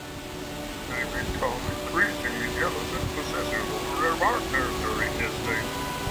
They becoming increasingly jealous and possessive over their partners during this stage.